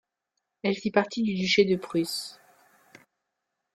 Elle fit partie du duché de Prusse.